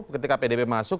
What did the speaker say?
ketika pdip masuk